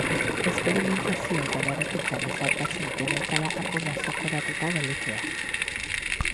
Esperimentazioa eta berrikuntza besarkatzen dituen atala apur bat zokoratuta gelditu da.